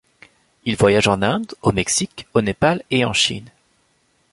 Il voyage en Inde, au Mexique, au Népal et en Chine.